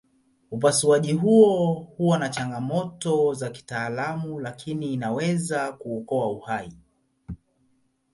Upasuaji huo huwa na changamoto za kitaalamu lakini inaweza kuokoa uhai.